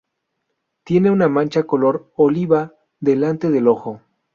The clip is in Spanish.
Tiene una mancha color oliva delante del ojo.